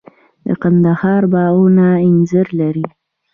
د کندهار باغونه انځر لري.